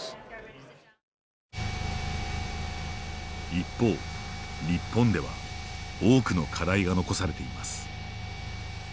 一方、日本では多くの課題が残されています。